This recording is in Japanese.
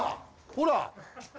ほら。